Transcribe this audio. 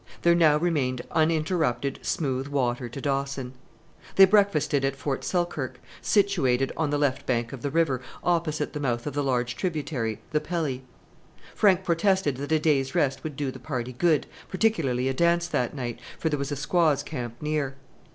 There now remained uninterrupted, smooth water to Dawson. They breakfasted at Fort Selkirk, situate on the left bank of the river, opposite the mouth of the large tributary, the Pelly. Frank protested that a day's rest would do the party good, particularly a dance that night, for there was a squaws' camp near.